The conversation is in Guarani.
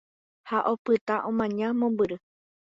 Ha opyta omaña mombyry.